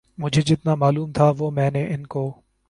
مجھے جتنا معلوم تھا وہ میں نے ان کو